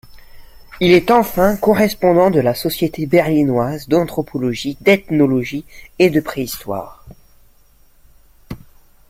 Il est enfin correspondant de la Société berlinoise d’anthropologie, d’ethnologie et de préhistoire.